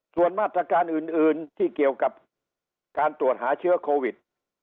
ส่วนมาตรการอื่นที่เกี่ยวกับการตรวจหาเชื้อโควิด